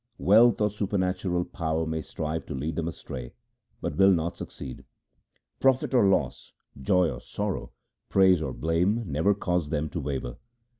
Wealth or supernatural power may strive to lead them astray, but will not succeed. Profit or loss, joy or sorrow, praise or blame never cause them to waver.